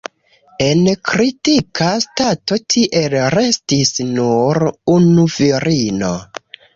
En kritika stato tiel restis nur unu virino.